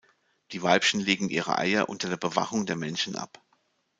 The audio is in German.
Die Weibchen legen ihre Eier unter der Bewachung der Männchen ab.